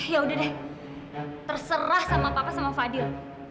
ya udah deh terserah sama papa sama fadil